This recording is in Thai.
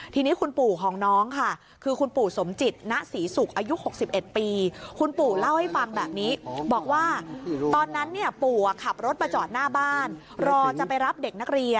ทีนี้คุณปู่ของน้องค่ะคือคุณปู่สมจิตณศรีศุกร์อายุ๖๑ปี